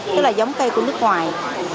tức là giống cây của nước ngoài